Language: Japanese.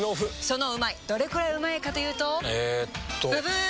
そのうまいどれくらいうまいかというとえっとブブー！